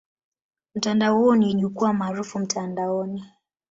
Mtandao huo ni jukwaa maarufu mtandaoni.